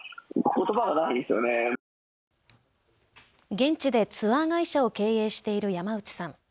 現地でツアー会社を経営している山内さん。